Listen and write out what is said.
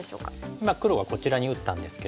今黒がこちらに打ったんですけれども。